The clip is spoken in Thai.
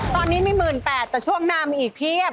ตอนนี้มี๑๘๐๐บาทแต่ช่วงหน้ามีอีกเพียบ